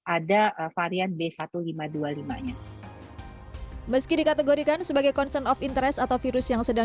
ada varian b satu lima dua puluh lima nya meski dikategorikan sebagai concern of interest atau virus yang sedang